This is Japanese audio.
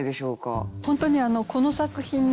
本当にこの作品ね